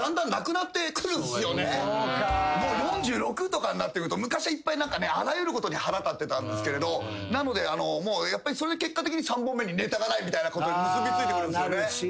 もう４６とかになってくると昔はいっぱいあらゆることに腹立ってたんですけれどなので結果的に３本目にネタがないみたいなことに結びついてくるんすよね。